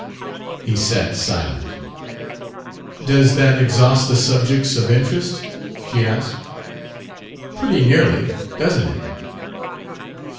He sat silent. "Does that exhaust the subjects of interest?" she asked. "Pretty nearly. Doesn't it?"